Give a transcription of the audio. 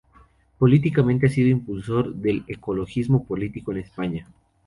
Políticamente ha sido impulsor del ecologismo político en España.